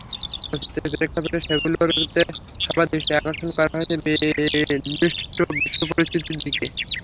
চলচ্চিত্রের প্রেক্ষাপটে সেগুলোতে সবার দৃষ্টি আকর্ষণ করা হয়েছে বিদ্বিষ্ট বিশ্বপরিস্থিতির দিকে।